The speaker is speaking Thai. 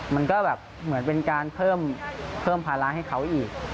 มันก็แบบเหมือนเป็นการเพิ่มภาระให้เขาอีก